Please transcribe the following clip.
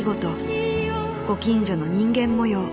ご近所の人間模様